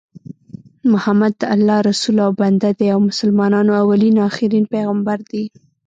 محمد د الله رسول او بنده دي او مسلمانانو اولين اخرين پیغمبر دي